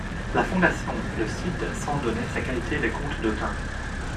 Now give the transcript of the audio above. La Foundation le cite sans donner sa qualité de comte d'Autun.